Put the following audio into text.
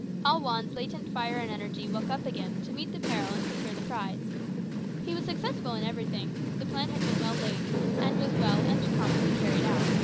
All Juan's latent fire and energy woke up again to meet the peril and to secure the prize. He was successful in everything; the plan had been well laid, and was well and promptly carried out.